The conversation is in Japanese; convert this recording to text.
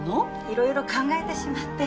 いろいろ考えてしまって。